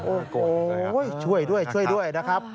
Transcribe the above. โอ้โหช่วยด้วยช่วยด้วยนะครับ